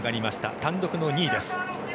単独の２位です。